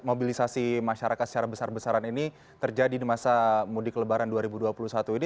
mobilisasi masyarakat secara besar besaran ini terjadi di masa mudik lebaran dua ribu dua puluh satu ini